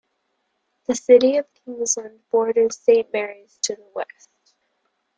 The city of Kingsland borders Saint Marys to the west.